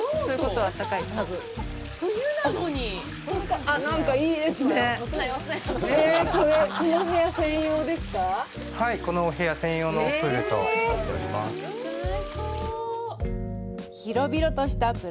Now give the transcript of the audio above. はい、このお部屋専用のプールとなっております。